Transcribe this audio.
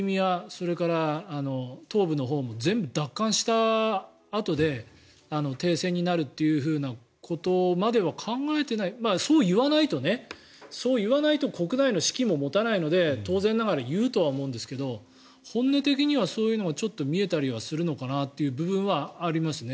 それから東部のほうも全部奪還したあとで停戦になるということまでは考えていないそう言わないと国内の士気も持たないので当然ながら言うとは思うんですが本音的にはそういうのはちょっと見えたりするのかなという部分はありますね。